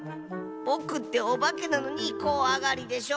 ぼくっておばけなのにこわがりでしょ。